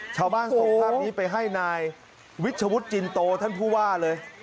ชาวบ้านส่งภาพนี้ไปให้นายวิชวุฒิจินโตท่านผู้ว่าเลย